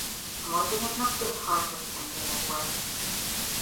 A mozdonyoknak öt hajtott tengelye volt.